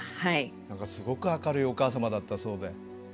何かすごく明るいお母様だったそうで。